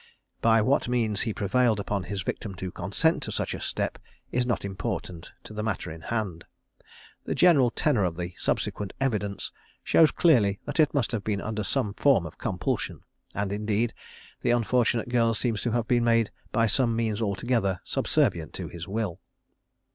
By what means he prevailed upon his victim to consent to such a step is not important to the matter in hand. The general tenour of the subsequent evidence shows clearly that it must have been under some form of compulsion, and, indeed, the unfortunate girl seems to have been made by some means altogether subservient to his will.